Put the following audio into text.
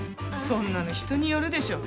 そんなの人によるでしょ。